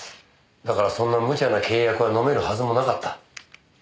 だからそんなむちゃな契約はのめるはずもなかった。